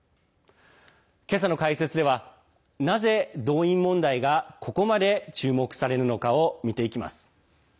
今朝の解説では、なぜ動員問題がここまで注目されるのかを見ていきます。